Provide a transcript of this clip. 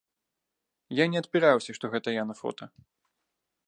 Я не адпіраўся, што гэта я на фота.